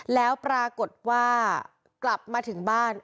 แล้วปรากฏว่ากลับมาถึงบ้าน